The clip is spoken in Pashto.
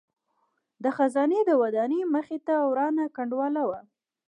د خزانې د ودانۍ مخې ته ورانه کنډواله وه.